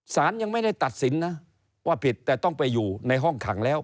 สารยังไม่ได้ตัดสินนะว่าผิดแต่ต้องไปอยู่ในห้องขังแล้ว